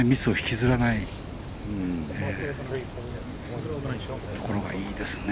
そういうところがいいですね。